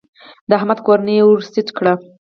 د احمد کورنۍ يې ور سټ کړه.